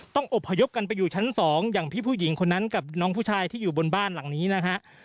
อบพยพกันไปอยู่ชั้น๒อย่างพี่ผู้หญิงคนนั้นกับน้องผู้ชายที่อยู่บนบ้านหลังนี้นะฮะ